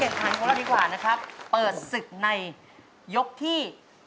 ประเภทกายเกิดขันตรงนี้กว่าเปิดศึกในยกที่๘